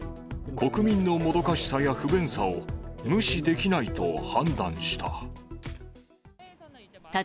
国民のもどかしさや不便さを無視できないと判断した。